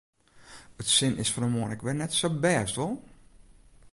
It sin is fan 'e moarn ek wer net sa bêst, wol?